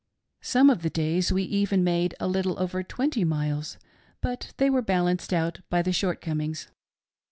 Some few days we even made a little over twenty miles, but they were balanced by the shortcomings.